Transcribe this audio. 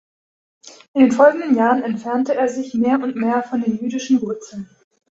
In den folgenden Jahren entfernte er sich mehr und mehr von den jüdischen Wurzeln.